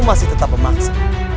kamu masih tetap memaksa